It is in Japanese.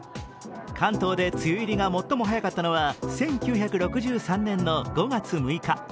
関東で梅雨入りが最も早かったのは１９６３年の５月６日。